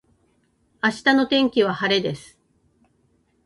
明日の天気は晴れです